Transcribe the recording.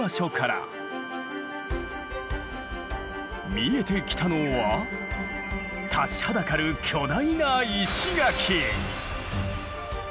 見えてきたのは立ちはだかる巨大な石垣。